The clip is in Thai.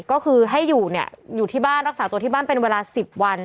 ก็คือให้อยู่เนี่ยอยู่ที่บ้านรักษาตัวที่บ้านเป็นเวลา๑๐วัน